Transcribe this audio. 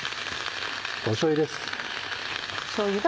しょうゆです。